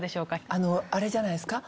あのあれじゃないですか？